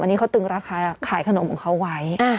อันนี้เขาตึงราคาขายขนมของเขาไว้